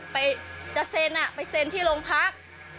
ไปจะเซ็นไปเซ็นที่โรงพัก